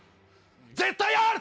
絶対ある！